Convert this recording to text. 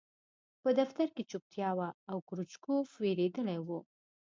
په دفتر کې چوپتیا وه او کروچکوف وېرېدلی و